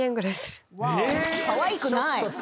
かわいくない！